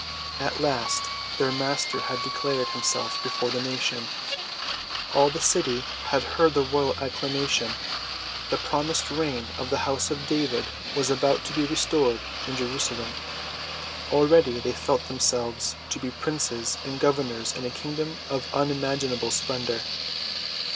At last their Master had declared himself before the nation. All the city had heard the royal acclamation. The promised reign of the house of David was about to be restored in Jerusalem. Already they felt themselves to be princes and governors in a kingdom of unimagined splendor.